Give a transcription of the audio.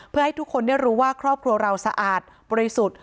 เพื่อให้ทุกคนได้รู้ว่าครอบครัวเราสะอาดบริสุทธิ์